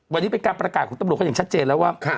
วันนี้เป็นการประกาศของตำรวจเขาอย่างชัดเจนแล้วว่า